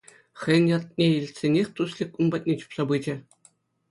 Хӑйӗн ятне илтсенех Туслик ун патне чупса пычӗ.